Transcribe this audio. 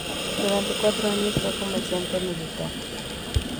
Durante cuatro años, fue comerciante militar.